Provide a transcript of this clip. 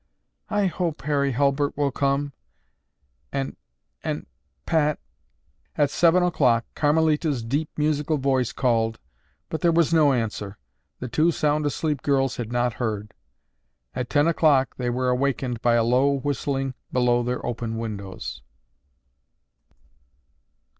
"I hope Harry Hulbert will come, and—and—Pat—" At seven o'clock Carmelita's deep, musical voice called, but there was no answer. The two sound asleep girls had not heard. At ten o'clock they were awakened by a low whistling below their open windows.